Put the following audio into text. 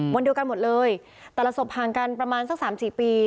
วันเดียวกันหมดเลยแต่ละศพห่างกันประมาณสัก๓๔ปี